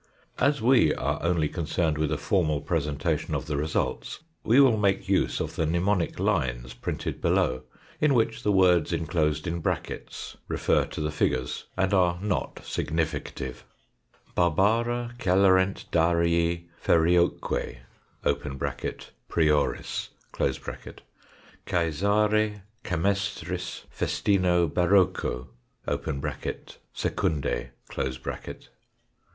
As we are only con cerned with a formal presentation of the results we will make use of the mnemonic lines printed below, in which the words enclosed in brackets refer to the figures, and are not significative : Barbara celarent Darii ferioque [prioris], Caesare Camestris Festino Baroko [secundae].